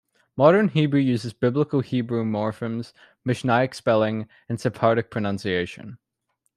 Modern Hebrew used Biblical Hebrew morphemes, Mishnaic spelling, and Sephardic pronunciation.